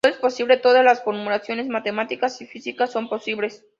Todo es posible, todas las formulaciones matemáticas y físicas son posibles.